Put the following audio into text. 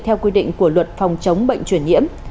theo quy định của luật phòng chống bệnh truyền nhiễm